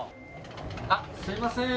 あっすいません。